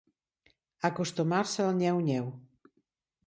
Acostumar-se al nyeu-nyeu.